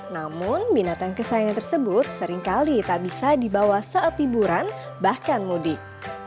namun binatang kesayangan tersebut seringkali tak bisa dibawa saat liburan bahkan mudik